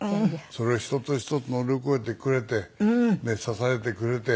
それを一つ一つ乗り越えてくれて支えてくれて。